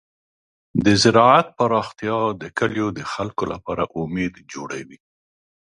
د زراعت پراختیا د کلیو د خلکو لپاره امید جوړوي.